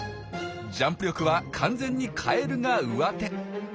ジャンプ力は完全にカエルがうわて。